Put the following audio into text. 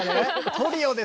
トリオですか。